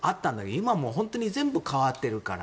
今はもう全部変わってるから。